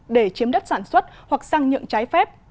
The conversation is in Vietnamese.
để chiếm đất sản xuất hoặc sang nhượng trái phép